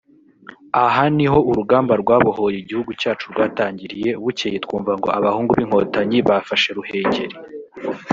Aha niho urugamba rwabohoye igihugu cyacu rwatangiriye bucyeye twumva ngo abahungu b’Inkotanyi bafashe Ruhenger